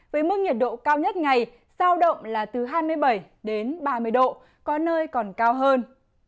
với mức nhiệt độ cao nhất ngày sao động là từ hai mươi bảy đến ba mươi độ có nơi còn cao hơn